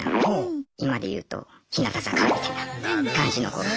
今で言うと日向坂みたいな感じの子が。